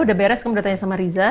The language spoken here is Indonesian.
udah beres kamu udah tanya sama riza